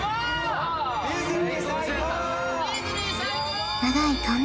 ディズニー最高！